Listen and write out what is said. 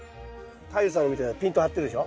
太陽さんのみたいなピンと張ってるでしょ。